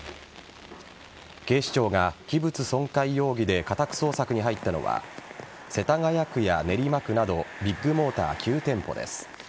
警視庁が器物損壊容疑で家宅捜索に入ったのは世田谷区や練馬区などビッグモーター、９店舗です。